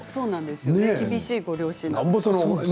厳しいご両親でね。